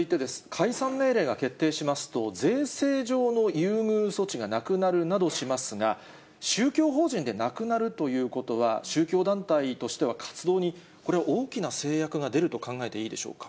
解散命令が決定しますと、税制上の優遇措置がなくなるなどしますが、宗教法人でなくなるということは、宗教団体としては、活動に、これは大きな制約が出ると考えていいでしょうか。